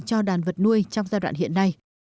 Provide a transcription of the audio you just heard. cho đàn vật nuôi trong giai đoạn hiện nay